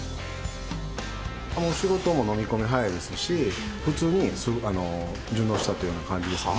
仕事も飲み込み早いですし、普通に順応したっていうような感じですね。